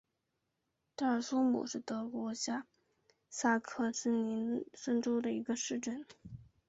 德尔苏姆是德国下萨克森州的一个市镇。